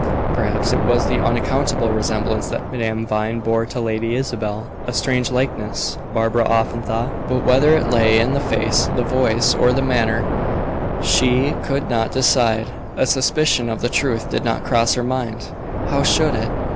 Perhaps it was the unaccountable resemblance that Madame Vine bore to Lady Isabel. A strange likeness! Barbara often thought, but whether it lay in the face, the voice, or the manner, she could not decide. A suspicion of the truth did not cross her mind. How should it?